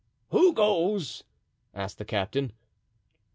"Who goes?" asked the captain.